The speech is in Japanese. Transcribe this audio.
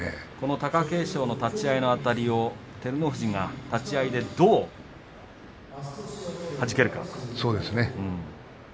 貴景勝の立ち合いのあたりを照ノ富士が立ち合いでどうはじけるか。